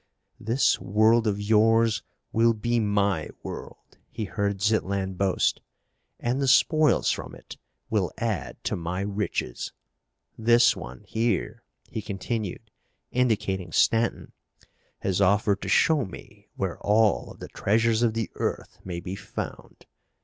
"This world of yours will be my world," he heard Zitlan boast, "and the spoils from it will add to my riches. This one here," he continued, indicating Stanton, "has offered to show me where all of the treasures of the earth may be found.